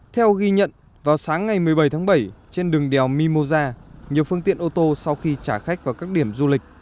theo ghi nhận vào sáng ngày một mươi bảy tháng bảy trên đường đèo mimosa nhiều phương tiện ô tô sau khi trả khách vào các điểm du lịch